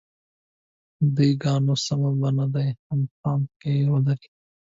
د ی ګانو سمه بڼه دې هم په پام کې ولري.